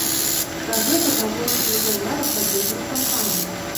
Пра гэта гаворыцца ў заявах абедзвюх кампаній.